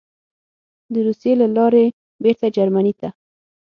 د روسیې له لارې بېرته جرمني ته: